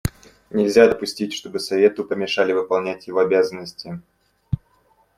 Нельзя допустить, чтобы Совету помешали выполнять его обязанности.